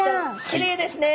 きれいですね。